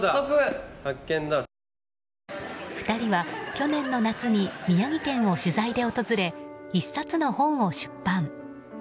２人は、去年の夏に宮城県を取材で訪れ１冊の本を出版。